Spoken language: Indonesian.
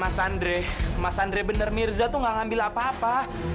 mas andre mas andre bener mirza tuh gak ngambil apa apa